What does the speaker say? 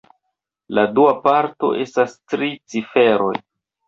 La dua parto estas tri ciferoj.